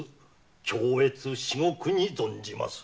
恐悦至極に存じます。